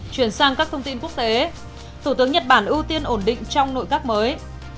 chuyển sang các thông tin quốc tế thủ tướng nhật bản ưu tiên ổn định trong nội các mới